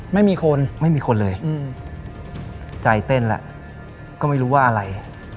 ไม่มีคนไม่มีคนเลยใจเต้นแล้วก็ไม่รู้ว่าอะไร